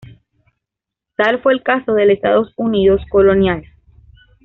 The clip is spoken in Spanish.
Tal fue el caso, del Estados Unidos colonial.